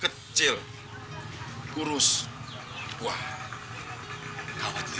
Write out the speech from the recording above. kecil kurus wah kawat dek